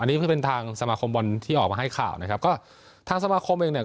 อันนี้คือเป็นทางสมาคมบอลที่ออกมาให้ข่าวนะครับก็ทางสมาคมเองเนี่ย